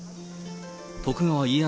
徳川家康